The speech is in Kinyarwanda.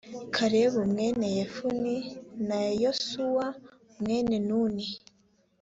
kalebu mwene yefune na yosuwa mwene nuni